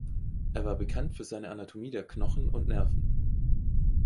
Er war bekannt für seine Anatomie der Knochen und Nerven.